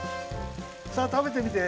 さあたべてみて。